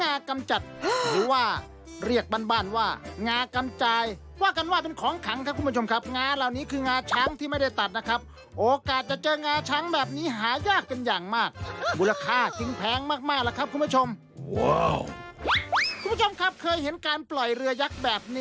มีความรู้สึกว่ามีความรู้สึกว่ามีความรู้สึกว่ามีความรู้สึกว่ามีความรู้สึกว่ามีความรู้สึกว่ามีความรู้สึกว่ามีความรู้สึกว่ามีความรู้สึกว่ามีความรู้สึกว่า